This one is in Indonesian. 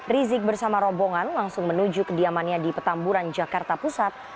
rizik bersama rombongan langsung menuju kediamannya di petamburan jakarta pusat